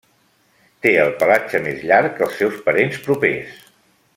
Té el pelatge més llarg que els seus parents propers.